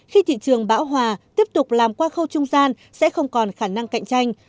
khi thị trường bão hòa tiếp tục làm qua khâu trung gian sẽ không còn khả năng cạnh tranh